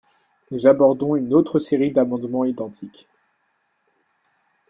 Nous abordons une autre série d’amendements identiques.